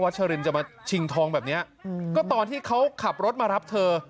ชรินจะมาชิงทองแบบนี้ก็ตอนที่เขาขับรถมารับเธอ